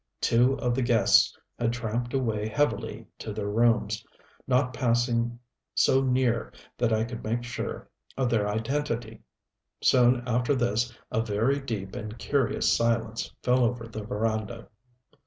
Two of the guests had tramped away heavily to their rooms, not passing so near that I could make sure of their identity. Soon after this a very deep and curious silence fell over the veranda.